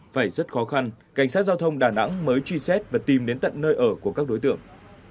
phải rất khó khăn cảnh sát giao thông đà nẵng mới truy xét và tìm đến tận nơi ở của các đối tượng